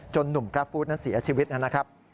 หนุ่มกราฟฟู้ดนั้นเสียชีวิตนะครับ